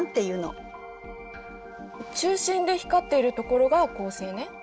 中心で光っているところが恒星ね。